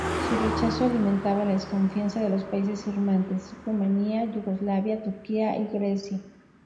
Su rechazo alimentaba la desconfianza de los países firmantes, Rumanía, Yugoslavia, Turquía y Grecia.